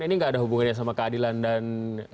ini tidak ada hubungannya dengan keadilan dan